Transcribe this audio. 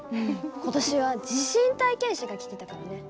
今年は地震体験車が来てたからね。